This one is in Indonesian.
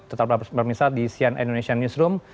tetap berbisnis di sian indonesian newsroom